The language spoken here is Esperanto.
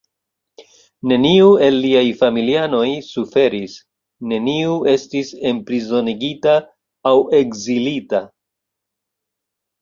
Neniu el liaj familianoj suferis; neniu estis enprizonigita aŭ ekzilita.